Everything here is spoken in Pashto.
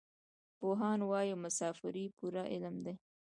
پوهان وايي مسافري پوره علم دی.